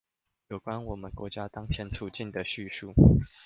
有關我們國家當前處境的敘述